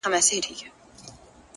زړورتیا د عمل کولو توان دی!.